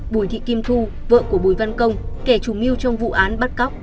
bùi thị kim thu vợ của bùi văn công kẻ chủ mưu trong vụ án bắt cóc